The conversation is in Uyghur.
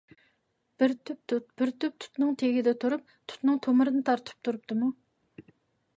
بىر تۈپ تۇت، بىر تۈپ تۇتنىڭ تېگىدە تۇرۇپ، تۇتنىڭ تۇمۇرىنى تارتىپ تۇرۇپتىمۇ؟